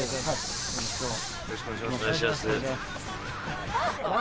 よろしくお願いします。